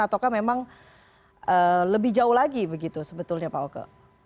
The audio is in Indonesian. ataukah memang lebih jauh lagi begitu sebetulnya pak oke